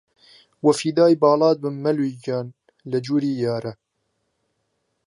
وە فیدای باڵات بم مەلوول گیان لە جوری یارە